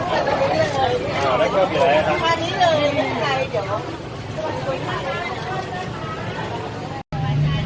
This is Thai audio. อัศวินิสัมภาษาอัศวินิสัมภาษาอัศวินิสัมภาษา